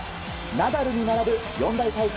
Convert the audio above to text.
ナダルに並ぶ四大大会